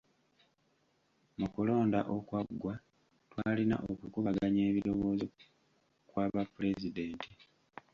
Mu kulonda okwaggwa twalina okukubaganya ebirowoozo kwa ba pulezidenti.